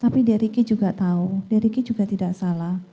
tapi d ricky juga tahu d ricky juga tidak salah